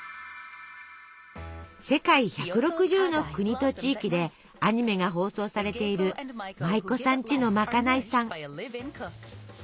世界１６０の国と地域でアニメが放送されている「舞妓さんちのまかないさん」。